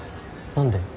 何で？